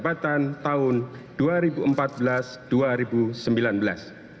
pembentuk sistem ppri